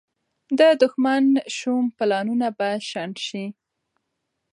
د دښمن شوم پلانونه به شنډ شي.